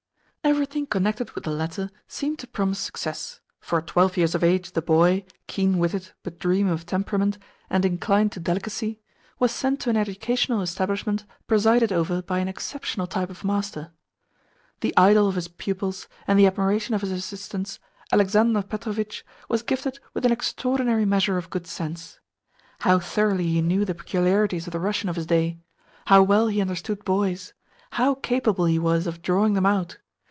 Everything connected with the latter seemed to promise success, for at twelve years of age the boy keen witted, but dreamy of temperament, and inclined to delicacy was sent to an educational establishment presided over by an exceptional type of master. The idol of his pupils, and the admiration of his assistants, Alexander Petrovitch was gifted with an extraordinary measure of good sense. How thoroughly he knew the peculiarities of the Russian of his day! How well he understood boys! How capable he was of drawing them out!